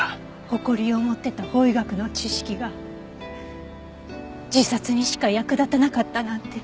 誇りを持っていた法医学の知識が自殺にしか役立たなかったなんて。